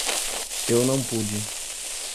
Eu não pude.